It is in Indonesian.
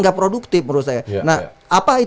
gak produktif menurut saya nah